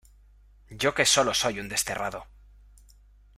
Yo que sólo soy un desterrado.